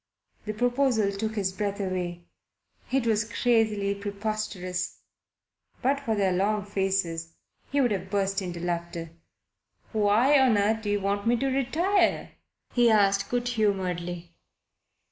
The proposal took his breath away. It was crazily preposterous. But for their long faces he would have burst into laughter. "Why on earth do you want me to retire?" he asked good humouredly.